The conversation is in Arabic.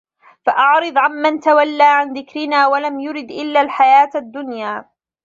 فَأَعرِض عَن مَن تَوَلّى عَن ذِكرِنا وَلَم يُرِد إِلَّا الحَياةَ الدُّنيا